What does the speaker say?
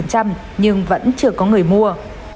trường có người mua